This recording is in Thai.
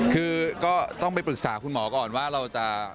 คือก็ต้องไปปรึกษาคุณหมอก่อนว่าเราจะ